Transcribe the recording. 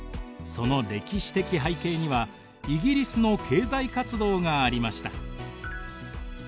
その歴史的背景にはイギリスの経済活動がありました。